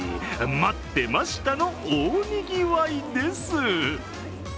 待ってましたの大にぎわいです。